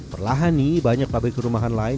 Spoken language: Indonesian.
perlahan nih banyak pabrik kerumahan lain